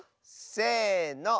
せの。